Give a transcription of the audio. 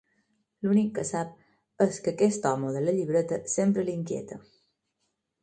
L'únic que sap és que aquest home de la llibreta sempre l'inquieta.